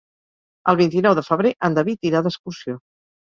El vint-i-nou de febrer en David irà d'excursió.